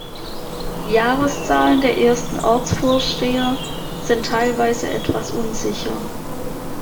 Die Jahreszahlen der ersten Ortsvorsteher sind teilweise etwas unsicher.